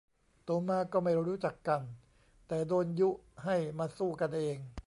โตมาก็ไม่รู้จักกัน แต่โดนยุให้มาสู้กันเอง